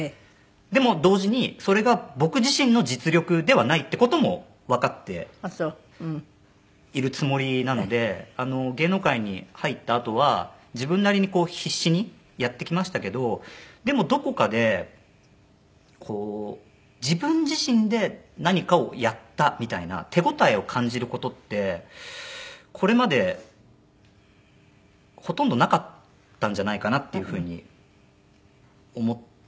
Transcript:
でも同時にそれが僕自身の実力ではないって事もわかっているつもりなので芸能界に入ったあとは自分なりにこう必死にやってきましたけどでもどこかでこう自分自身で何かをやったみたいな手応えを感じる事ってこれまでほとんどなかったんじゃないかなっていう風に思ってまして。